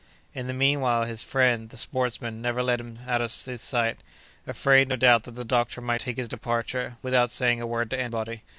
In the mean while his friend, the sportsman, never let him out of his sight—afraid, no doubt, that the doctor might take his departure, without saying a word to anybody.